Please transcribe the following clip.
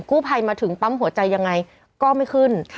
กู้ภัยมาถึงปั๊มหัวใจยังไงก็ไม่ขึ้น